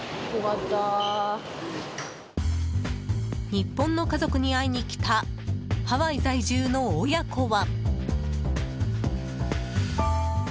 日本の家族に会いにきたハワイ在住の親子は。